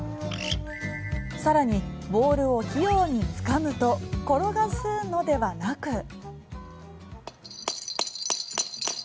更に、ボールを器用につかむと転がすのではなく。